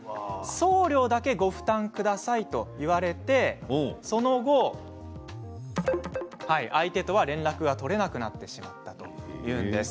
送料だけご負担くださいと言われてその後、相手とは連絡が取れなくなってしまったというんです。